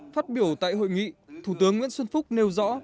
phát biểu tại hội nghị thủ tướng nguyễn xuân phúc nêu rõ